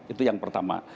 itu yang pertama